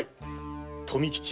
「富吉」